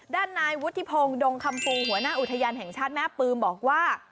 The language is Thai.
ด้านนายวุฒิพงศ์ดงคำปูหัวหน้าอุทยานแห่งชาติแม่ปืมบอกว่า